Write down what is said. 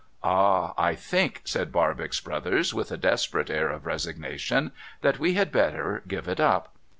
' Ah ! I think,' said Barbox Brothers with a desperate air of resignation, ' that we had better give it up.'